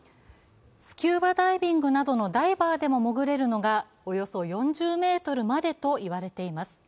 スキューバダイビングなどのダイバーでも潜れるのがおよそ４０ｍまでといわれています。